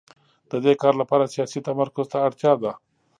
د دې کار لپاره سیاسي تمرکز ته اړتیا ده.